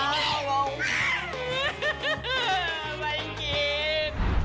ไม่กิน